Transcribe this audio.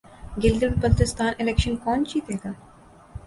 Gilgit Baltistan election کون جیتےگا